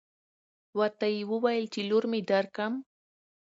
ورته يې وويل چې لور مې درکم.